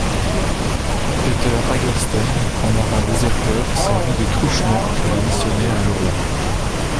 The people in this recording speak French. Peter Hagerstein, un marin déserteur, servit de truchement entre les missionnaires et le roi.